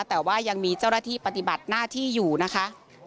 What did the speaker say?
แต่ว่ายังมีเจ้าหน้าที่ปฏิบัติหน้าที่อยู่นะคะ